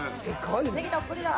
ネギたっぷりだ。